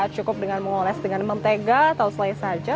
cukup dengan mengoles dengan mentega atau selai saja